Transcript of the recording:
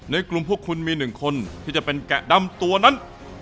ในกลุ่มพวกคุณมี๑คนที่จะเป็นแกะดำตัวนั้น